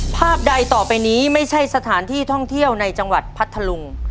ภาพใดต่อไปนี้ไม่ใช่สถานที่ท่องเที่ยวในจังหวัดพัทธลุง